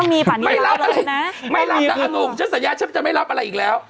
ไม่รับอะไรนะไม่รับนะอนงฉันสัญญาฉันจะไม่รับอะไรอีกแล้ว